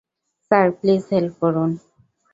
Sir, please help করুন।